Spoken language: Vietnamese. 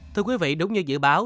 thưa quý vị đúng như dự báo